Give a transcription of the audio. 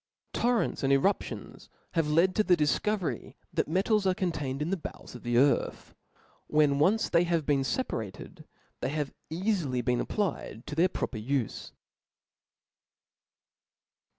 Torrents and eruptions * have made the difco very that metals are contained in the bowels of the earth. When once they have been feparated, $hey have eafily been applied to their proper ufe.